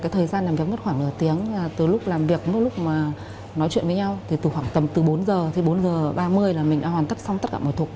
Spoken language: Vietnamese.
thời gian làm việc mất khoảng nửa tiếng từ lúc làm việc từ lúc nói chuyện với nhau từ khoảng tầm bốn giờ bốn giờ ba mươi là mình đã hoàn tất xong tất cả mọi thục